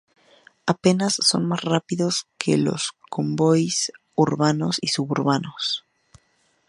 Apenas son más rápidos que los convoyes urbanos y suburbanos.